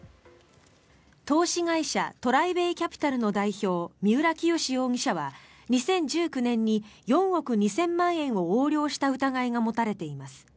投資会社ＴＲＩＢＡＹＣＡＰＩＴＡＬの代表、三浦清志容疑者は２０１９年に４億２０００万円を横領した疑いが持たれています。